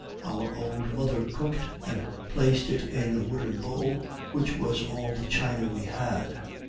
Our old mother cooked and placed it in a wooden bowl, which was all the china we had.